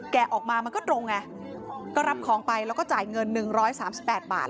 ออกมามันก็ตรงไงก็รับของไปแล้วก็จ่ายเงิน๑๓๘บาท